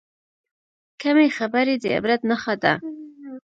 کمې خبرې، د عبرت نښه ده.